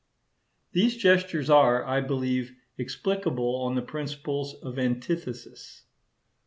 These gestures are, I believe, explicable on the principle of antithesis.